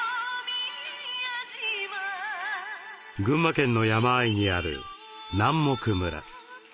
群馬県の山あいにある南牧村。